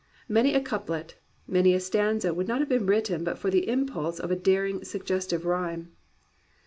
Many a coup let, many a stanza would not have been written but for the impulse of a daring, suggestive rhyme.